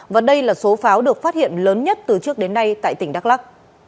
và đây là số pháo được phát hiện lớn nhất từ trước đến nay tại tỉnh đắk lắc